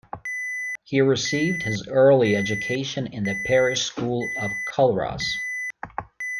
He received his early education in the parish school of Culross.